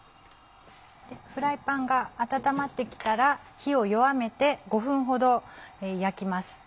フライパンが温まってきたら火を弱めて５分ほど焼きます。